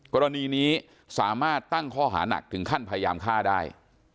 กรณีนี้สามารถตั้งข้อหานักถึงขั้นพยายามฆ่าได้